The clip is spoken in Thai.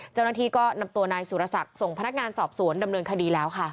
เจ้าหน้าที่ก็นำตัวนายสุรศักดิ์ส่งพนักงานสอบสวนดำเนินคดีแล้วค่ะ